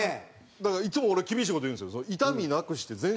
だからいつも俺厳しい事言うんですよ。